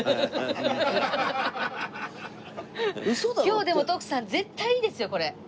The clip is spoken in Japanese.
今日でも徳さん絶対いいですよこれ。